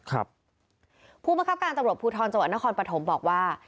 ครับผู้ประคับการตรวจภูทรจัวรณครปฐมบอกว่า